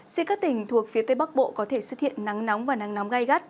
dìa các tỉnh thuộc phía tây bắc bộ có thể xuất hiện nắng nóng và nắng nóng gai gắt